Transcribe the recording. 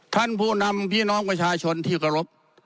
ท่านผู้นำพี่น้องประชาชนที่เคารพ